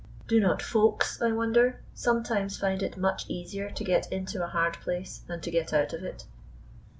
Do not Folks, I wonder, sometimes find it much easier to get into a hard place than to get out of it?